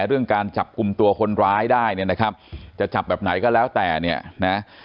เรื่องการจับกลุ่มตัวคนร้ายได้เนี่ยนะครับจะจับแบบไหนก็แล้วแต่เนี่ยนะ